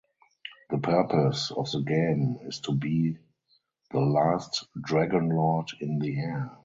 The purpose of the game is to be the last dragonlord in the air.